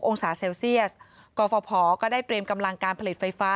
องศาเซลเซียสกฟภก็ได้เตรียมกำลังการผลิตไฟฟ้า